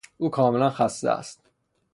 او کاملا خسته است.